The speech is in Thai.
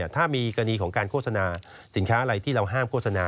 ถ้ามีกรณีของการโฆษณาสินค้าอะไรที่เราห้ามโฆษณา